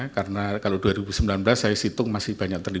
karena kalau dua ribu sembilan belas saya hitung masih banyak terjadi